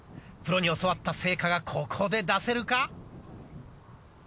プロに教わった成果がここで出せるか！？